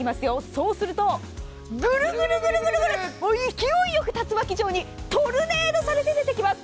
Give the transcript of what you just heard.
そうするとグルグルグルっと勢いよく竜巻状に、トルネードされて出てきます。